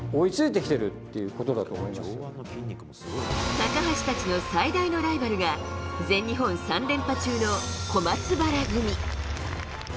高橋たちの最大のライバルが全日本３連覇中の小松原組。